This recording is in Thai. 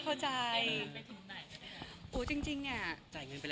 เข้าใจ